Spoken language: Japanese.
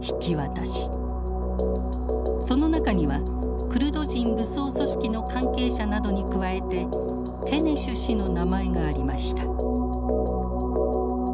その中にはクルド人武装組織の関係者などに加えてケネシュ氏の名前がありました。